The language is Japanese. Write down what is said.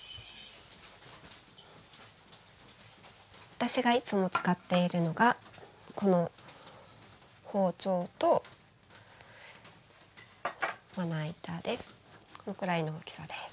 私がいつも使っているのがこの包丁とまな板です。